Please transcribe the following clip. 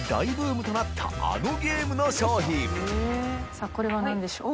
さぁこれはなんでしょう？